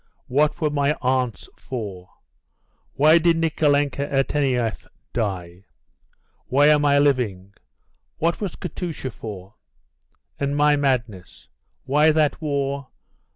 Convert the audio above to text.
What were my aunts for? Why did Nikolenka Irtenieff die? Why am I living? What was Katusha for? And my madness? Why that war?